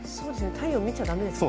太陽見ちゃダメですね。